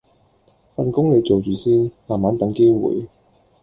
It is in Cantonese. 份工你做住先，慢慢等機會